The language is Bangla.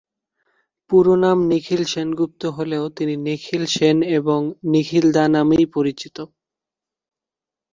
পুরো নাম নিখিল সেনগুপ্ত হলেও তিনি নিখিল সেন এবং নিখিল দা নামেই পরিচিত।